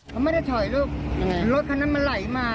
เขาไม่ได้ถอยลูกยังไงรถคันนั้นมันไหลมา